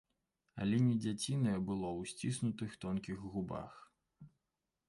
Але не дзяцінае было ў сціснутых тонкіх губах.